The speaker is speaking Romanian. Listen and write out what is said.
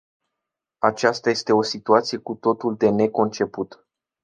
Aceasta este o situație cu totul de neconceput.